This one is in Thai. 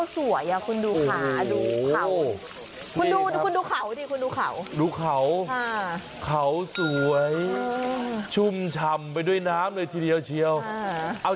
แต่รูปเขาสวยอ่ะคุณดูขาดูเขา